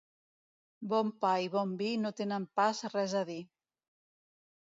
Bon pa i bon vi no tenen pas res a dir.